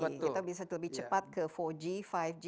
kalau kita lebih cepat ke empat g lima g